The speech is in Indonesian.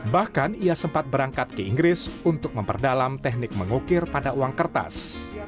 bahkan ia sempat berangkat ke inggris untuk memperdalam teknik mengukir pada uang kertas